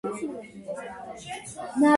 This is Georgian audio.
თექ ქიგოზიკინაფედა